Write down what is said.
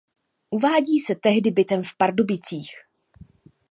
Uvádí se tehdy bytem v Pardubicích.